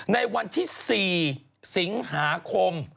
ในวันที่๔สิงหาคม